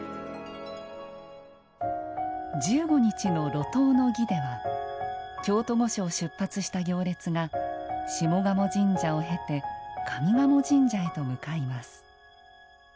１５日の路頭の儀では京都御所を出発した行列が下鴨神社を経て上賀茂神社へと向かいます。